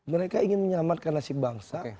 mereka ingin menyelamatkan nasib bangsa